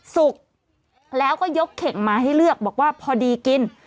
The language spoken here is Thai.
สุกแล้วก็ยกเข่งมาให้เลือกบอกว่าพอดีกิน